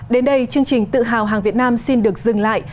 đến đây chương trình tự hào hàng việt nam xin được dừng lại